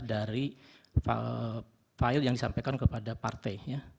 dari file yang disampaikan kepada partainya